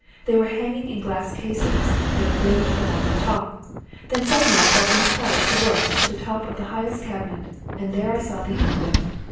They were hanging in glass cases; they were ranged along the top. Then I suddenly felt impelled to look to the top of the highest cabinet, and there I saw the Infant!